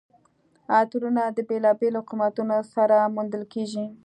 عطرونه د بېلابېلو قیمتونو سره موندل کیږي.